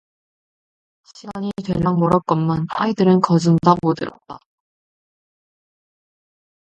시간이 될랑 멀었건만 아이들은 거진 다 모여들었다.